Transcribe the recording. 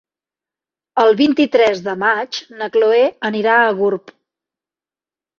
El vint-i-tres de maig na Chloé anirà a Gurb.